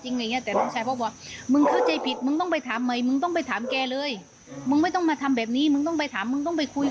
นู่นนี่นั่น